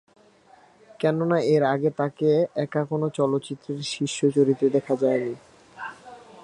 কেননা এর আগে তাকে একা কোনো চলচ্চিত্রের শীর্ষ চরিত্রে দেখা যায়নি।